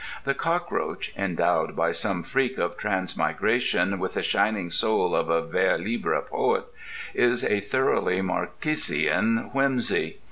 The cockroach, endowed by some freak of transmigration with the shining soul of a vers libre poet, is a thoroughly Marquisian whimsy.